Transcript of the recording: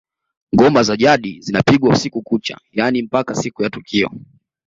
Ngoma za jadi zinapigwa usiku kucha yaani mpaka siku ya tukio